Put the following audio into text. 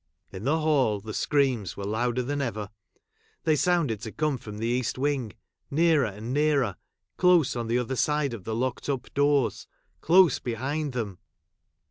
In the hall the screams were louder than ever ; they sounded to come from the east wing — nearer ! and nearer — close on the other side of the h locked up doors — close behind them.